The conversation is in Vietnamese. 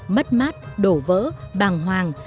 mất mát đổ vỡ bàng hoàng